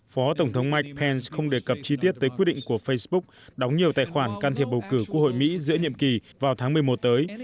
phó tổng thống mike pence không đề cập chi tiết tới quyết định của facebook đóng nhiều tài khoản can thiệp bầu cử quốc hội mỹ giữa nhiệm kỳ vào tháng một mươi một tới